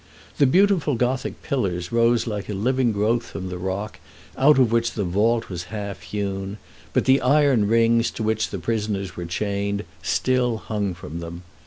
The beautiful Gothic pillars rose like a living growth from the rock, out of which the vault was half hewn; but the iron rings to which the prisoners were chained still hung from them.